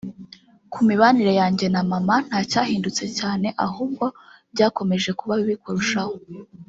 Ku mibanire yanjye na maman nta cyahindutse cyane ahubwo byakomeje kuba bibi kurushaho